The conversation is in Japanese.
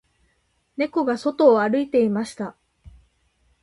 猫が外を歩いていました